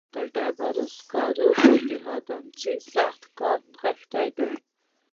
په ډبرو سکرو کې د معدنچي سخت کار نغښتی دی